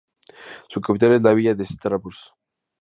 Su capital es la villa de Stavros.